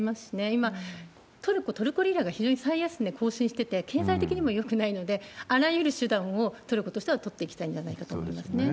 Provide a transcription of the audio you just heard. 今、トルコ、トルコリラが非常に最安値更新していて、経済的にもよくないので、あらゆる手段をトルコとしては取っていきたいんじゃないかと思いそうですね。